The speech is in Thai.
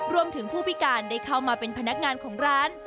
ผู้พิการได้เข้ามาเป็นพนักงานของร้าน